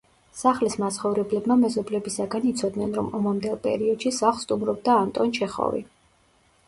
სახლის მაცხოვრებლებმა მეზობლებისაგან იცოდნენ, რომ ომამდელ პერიოდში სახლს სტუმრობდა ანტონ ჩეხოვი.